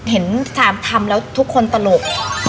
เห็น๓คำแล้วทุกคนตลก